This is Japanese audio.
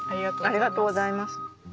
ありがとうございます。